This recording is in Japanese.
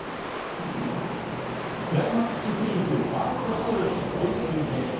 クライマックスシリーズファーストステージ最終戦。